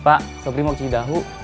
pak sobrimo ke cidahu